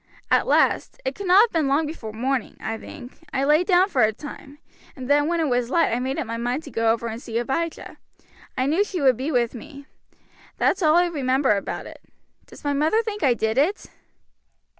At last it could not have been long before morning, I think I lay down for a time, and then when it was light I made up my mind to go over and see Abijah. I knew she would be with me. That's all I remember about it. Does my mother think I did it?"